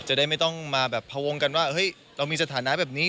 จะได้ไม่ต้องมาแบบพวงกันว่าเฮ้ยเรามีสถานะแบบนี้